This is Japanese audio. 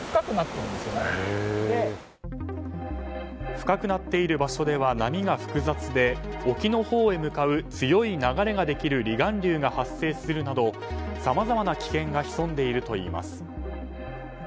深くなっている場所では波が複雑で沖のほうへ向かう強い流れができる離岸流が発生するなどさまざまな危険が潜んでいるといいます。